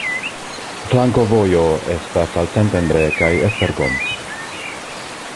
Flankovojo estas al Szentendre kaj Esztergom.